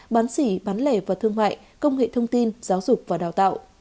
bán xỉ bán lẻ và thương mại công nghệ thông tin giáo dục và đào tạo